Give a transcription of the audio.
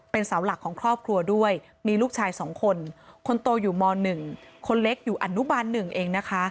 เป็นเสาหลักของครอบครัวด้วยมีลูกชาย๒คนคนโตอยู่ม๑คนเล็กอยู่อนุบาล๑เองนะคะ